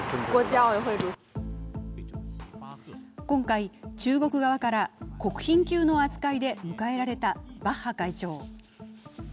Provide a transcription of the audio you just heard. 今回、中国側から国賓級の扱いで迎えられたバッハ会長。